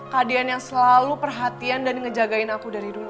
kadian yang selalu perhatian dan ngejagain aku dari dulu